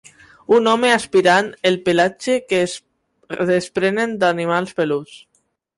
Un home aspirant el pelatge que es desprenen d'animals peluts.